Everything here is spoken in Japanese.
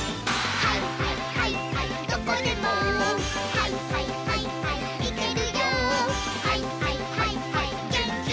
「はいはいはいはいマン」